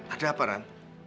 ada apa ran